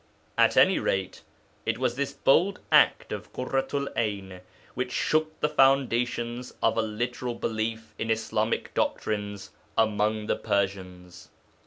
At any rate, it was this bold act of Ḳurratu'l 'Ayn which shook the foundations of a literal belief in Islamic doctrines among the Persians.